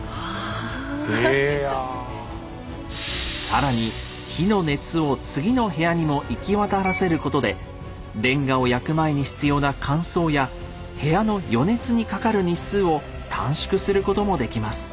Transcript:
更に火の熱を次の部屋にも行き渡らせることでレンガを焼く前に必要な乾燥や部屋の予熱にかかる日数を短縮することもできます。